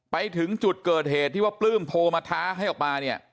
ไปถึงจุดเกิดเหตุที่ว่าปลื้มโทรมาท้าให้ออกมาเนี่ย